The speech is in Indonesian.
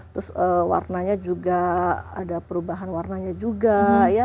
terus warnanya juga ada perubahan warnanya juga ya